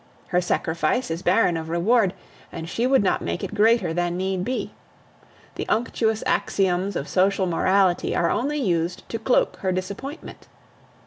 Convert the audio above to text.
Her sacrifice is barren of reward, and she would not make it greater than need be. The unctuous axioms of social morality are only used to cloak her disappointment."